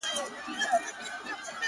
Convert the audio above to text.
تر تا د مخه ما پر ایښي دي لاسونه!